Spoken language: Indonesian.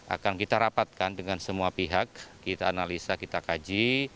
akan kita rapatkan dengan semua pihak kita analisa kita kaji